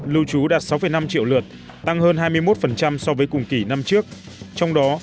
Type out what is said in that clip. lưu trú đạt sáu năm triệu lượt tăng hơn hai mươi một so với cùng kỳ năm trước trong đó